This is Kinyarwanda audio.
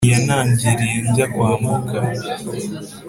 Ntiyantangiriye njya kwambuka